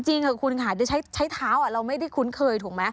จริงค่ะคุณค่ะใช้เท้าเราไม่ได้คุ้นเคยถูกไหม